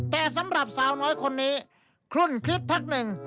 แต่สำหรับสาวน้อยคนนี้คลุ่นคลิปพักหนึ่ง